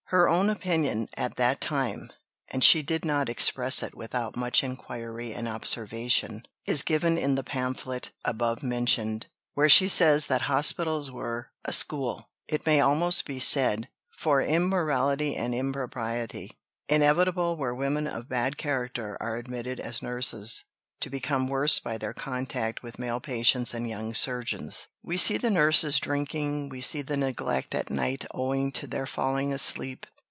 Her own opinion at that time (and she did not express it without much inquiry and observation) is given in the pamphlet, above mentioned, where she says that hospitals were "a school, it may almost be said, for immorality and impropriety inevitable where women of bad character are admitted as nurses, to become worse by their contact with male patients and young surgeons.... We see the nurses drinking, we see the neglect at night owing to their falling asleep."